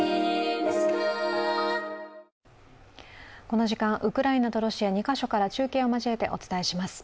この時間ウクライナとロシア２カ所から中継を交えてお伝えします。